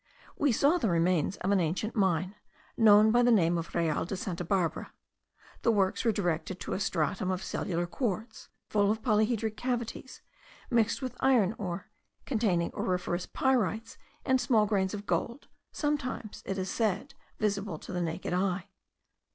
We saw the remains of an ancient mine, known by the name of Real de Santa Barbara. The works were directed to a stratum of cellular quartz,* full of polyhedric cavities, mixed with iron ore, containing auriferous pyrites and small grains of gold, sometimes, it is said, visible to the naked eye.